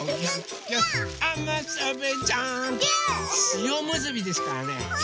しおむすびですからね。